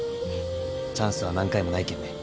チャンスは何回もないけんね。